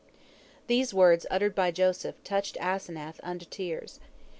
These words uttered by Joseph touched Asenath unto tears.